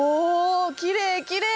きれいきれい！